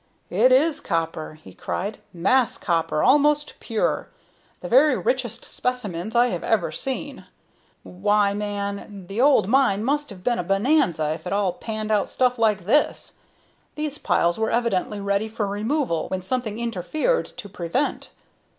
"It is copper!" he cried. "Mass copper, almost pure! The very richest specimens I have ever seen! Why, man, the old mine must have been a bonanza, if it all panned out stuff like this! These piles were evidently ready for removal when something interfered to prevent.